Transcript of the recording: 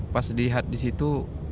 pas lihat disitu